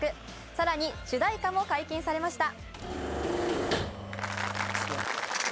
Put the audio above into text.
更に主題歌も解禁されました。